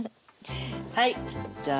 はいじゃあ